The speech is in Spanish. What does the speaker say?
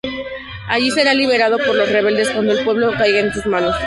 Ahí sería liberado por los rebeldes cuando el pueblo caiga en sus manos.